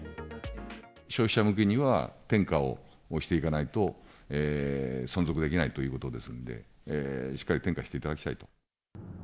消費者向けには、転嫁をしていかないと、存続できないということですんで、しっかり転嫁していただきたいと。